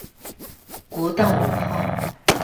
國道五號